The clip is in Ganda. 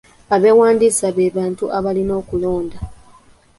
Abeewandisiza be bantu abalina okulonda.